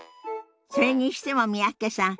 それにしても三宅さん